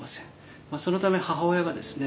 そのため母親がですね